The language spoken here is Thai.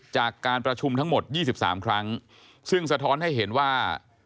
จากการประชุมทั้งหมด๒๓ครั้งซึ่งสะท้อนให้เห็นว่า